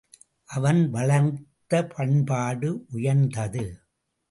அவன் வளர்த்த பண்பாடு உயர்ந்தது.